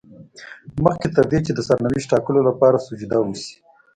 مخکې تر دې چې د سرنوشت ټاکلو لپاره سجده وشي.